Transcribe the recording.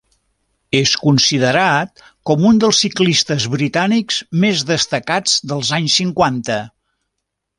És considerat com un dels ciclistes britànics més destacats dels anys cinquanta.